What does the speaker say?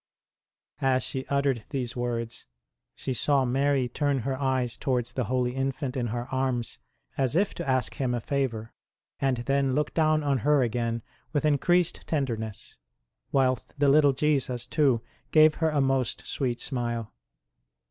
As she uttered these words, she saw Mary turn her eyes towards the Holy Infant in her arms as if to ask Him a favour, and then look down on her again with increased tenderness ; whilst the little Jesus too gave her a most sweet smile.